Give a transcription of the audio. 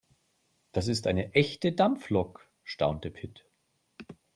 "Das ist eine echte Dampflok", staunte Pit.